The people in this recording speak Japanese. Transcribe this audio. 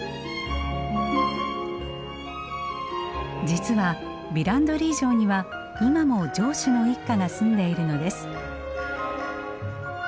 実はヴィランドリー城には今も城主の一家が住んでいるのです。